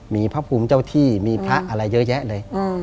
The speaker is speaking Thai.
มีพระภูมิเจ้าที่มีพระอะไรเยอะแยะเลย